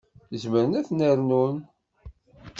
Zemren ad ten-rnun.